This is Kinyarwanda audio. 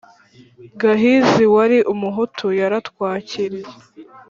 Gahizi wari Umuhutu yaratwakiriye